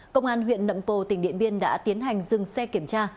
công an huyện nậm pồ tỉnh điện biên đã tiến hành dừng xe kiểm tra